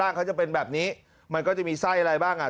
เขาจะเป็นแบบนี้มันก็จะมีไส้อะไรบ้างอ่ะ